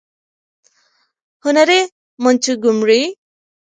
- هنري مونټګومري :